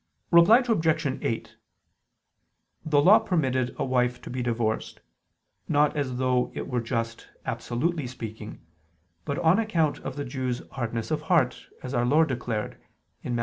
Reply Obj. 8: The Law permitted a wife to be divorced, not as though it were just absolutely speaking, but on account of the Jews' hardness of heart, as Our Lord declared (Matt.